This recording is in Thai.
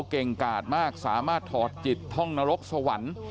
เก่งกาดมากสามารถถอดจิตท่องนรกสวรรค์